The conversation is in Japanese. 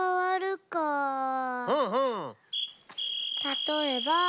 たとえば。